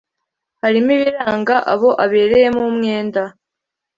harimo ibiranga abo abereyemo umwenda